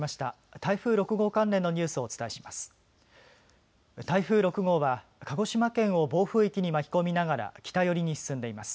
台風６号関連のニュースをお伝えします。